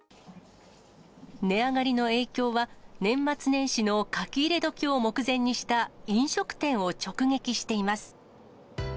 値上がりの影響は、年末年始の書き入れ時を目前にした飲食店を直撃しています。